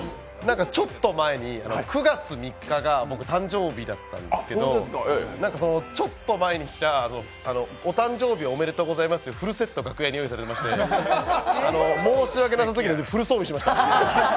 ちょっと前に９月３日が僕誕生日だったんですけど、ちょっと前にお誕生日おめでとうございますって、フルセット、楽屋に用意されていまして申し訳なさすぎてフル装備しました。